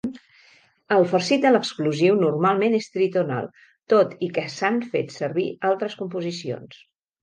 El farcit de l'explosiu normalment és tritonal, tot i que s'han fet servir altres composicions.